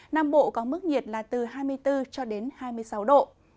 nam bộ có mức nhiệt là từ hai mươi bốn hai mươi sáu độ